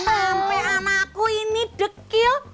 nampak anakku ini dekil